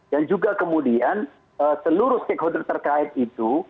dan juga kemudian seluruh stakeholder terkait itu